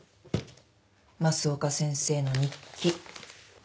増岡先生の日記。